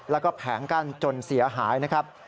แล้วก็แผงกั้นจนเสียหายนะครับ